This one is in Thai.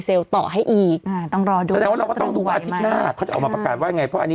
แล้วก็ไอ้คนละครึ่งเนี้ยมันก็จะถึงประชาชนโดยทั่วไป